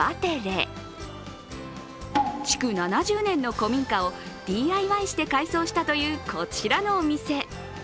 築７０年の古民家をＤＩＹして改装したという、こちらのお店。